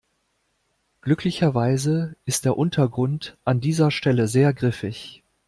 Glücklicherweise ist der Untergrund an dieser Stelle sehr griffig.